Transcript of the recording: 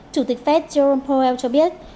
chủ tịch fed jerome powell cho biết